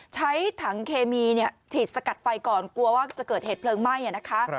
ใช้ถังเคมีฉีดสกัดไฟก่อนกลัวว่าจะเกิดเหตุเพลิงไหม้นะคะ